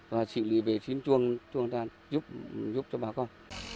và xử lý vệ sinh chuồng chuồng đàn giúp cho bà con